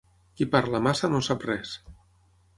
Qui parla massa no sap res.